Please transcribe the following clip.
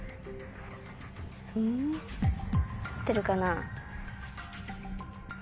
うん合ってるかな？